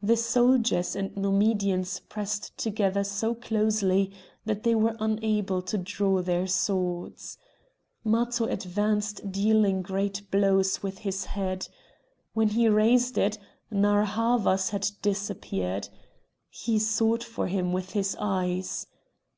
The soldiers and Numidians pressed together so closely that they were unable to draw their swords. Matho advanced dealing great blows with his head. When he raised it, Narr' Havas had disappeared. He sought for him with his eyes.